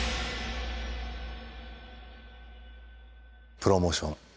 プロモーション。